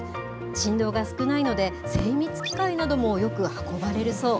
振動が少ないので、精密機械などもよく運ばれるそう。